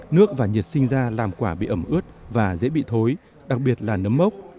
nước và nhiệt sinh ra làm quả bị ẩm ướt và dễ bị thối đặc biệt là nấm mốc